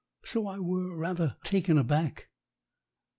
So I were rather taken aback.